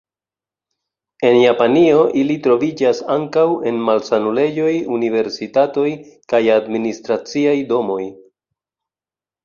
En Japanio, ili troviĝas ankaŭ en malsanulejoj, universitatoj kaj administraciaj domoj.